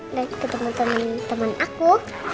nanti temen temen aku